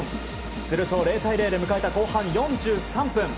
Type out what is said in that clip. すると０対０で迎えた後半４３分